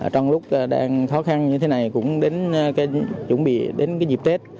trong lúc đang khó khăn như thế này cũng đến chuẩn bị đến dịp tết